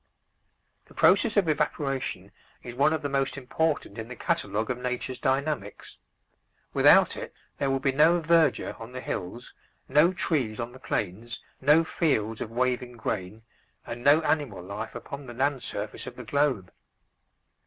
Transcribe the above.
The process of evaporation is one of the most important in the catalogue of nature's dynamics. Without it there would be no verdure on the hills, no trees on the plains, no fields of waving grain, and no animal life upon the land surface of the globe.